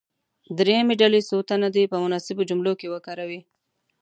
دریمې ډلې څو تنه دې په مناسبو جملو کې وکاروي.